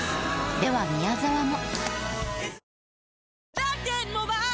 では宮沢も。